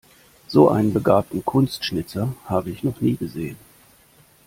So einen begabten Kunstschnitzer habe ich noch nie gesehen.